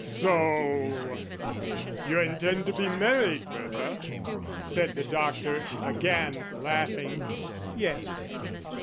"So you intend to be married, Bertha?" said the doctor, again laughing. "Yes."